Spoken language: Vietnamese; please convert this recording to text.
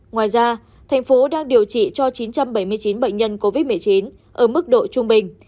ngoài ra thành phố đang điều trị cho chín trăm bảy mươi chín bệnh nhân covid một mươi chín ở mức độ trung bình